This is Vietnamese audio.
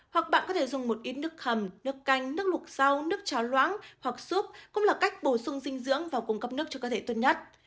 hoặc bạn có thể dùng một ít nước hầm nước canh nước lụt rau nước cháo loãng hoặc xốp cũng là cách bổ sung dinh dưỡng và cung cấp nước cho cơ thể tốt nhất